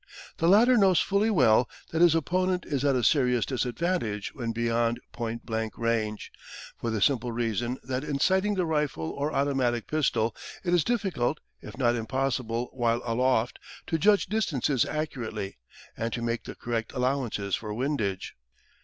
The latter knows fully well that his opponent is at a serious disadvantage when beyond point blank range, for the simple reason that in sighting the rifle or automatic pistol, it is difficult, if not impossible while aloft, to judge distances accurately, and to make the correct allowances for windage.